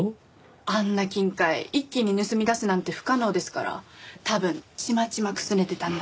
あんな金塊一気に盗み出すなんて不可能ですから多分ちまちまくすねてたんだと。